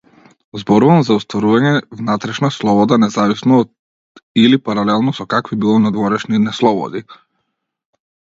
Зборувам за остварување внатрешна слобода независно од или паралелно со какви било надворешни неслободи.